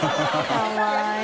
かわいい。